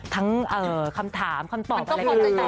ทั้งคำถามคำตอบอะไรกัน